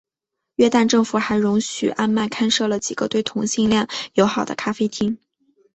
约旦政府还容许安曼开设了几个对同性恋友好的咖啡厅。